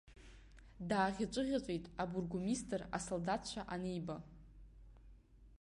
Дааӷьаҵәыӷьаҵәит абургомистр асолдаҭцәа аниба.